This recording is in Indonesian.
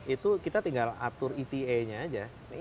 itu kita tinggal atur eta nya aja